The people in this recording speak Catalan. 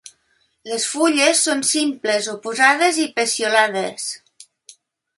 Les fulles són simples, oposades i peciolades.